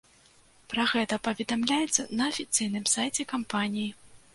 Пра гэта паведамляецца на афіцыйным сайце кампаніі.